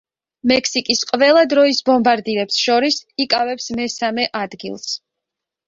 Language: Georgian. მექსიკის ყველა დროის ბომბარდირებს შორის იკავებს მესამე ადგილს.